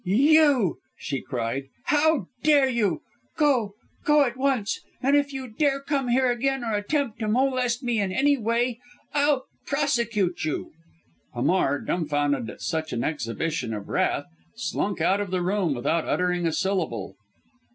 "You!" she cried, "how dare you! Go! Go at once! And if you dare come here again or attempt to molest me in any way, I'll prosecute you!" Hamar, dumbfounded at such an exhibition of wrath, slunk out of the room without uttering a syllable.